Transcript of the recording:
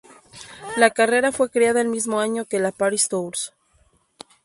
La carrera fue creada el mismo año que la Paris-Tours.